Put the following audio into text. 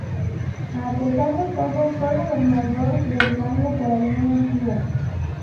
A pesar de todo, fue gobernador de Durango por algunos días.